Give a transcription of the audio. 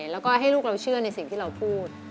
แล้วก็ให้ลูกเราเชื่อในสิ่งที่เราพูด